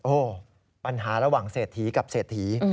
โอ้โหปัญหาระหว่างเศรษฐีกับเศรษฐี